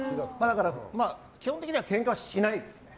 基本的にはけんかはしないです。